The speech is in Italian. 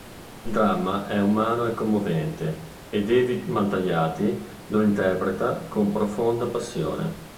Il dramma è umano e commovente ed Evi Maltagliati lo interpreta con profonda passione.